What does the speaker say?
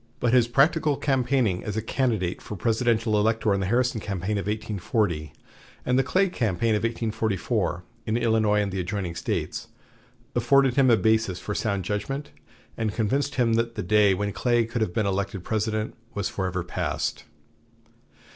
But his practical campaigning as a candidate for presidential elector in the Harrison campaign of 1840, and the Clay campaign of 1844, in Illinois and the adjoining States, afforded him a basis for sound judgment, and convinced him that the day when Clay could have been elected President was forever passed.